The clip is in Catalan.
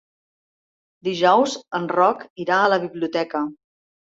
Dijous en Roc irà a la biblioteca.